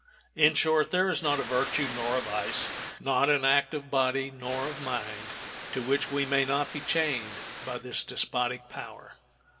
In short, there is not a virtue nor a vice, not an act of body nor of mind, to which we may not be chained by this despotic power.